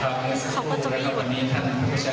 เขาก็จะไม่หยุด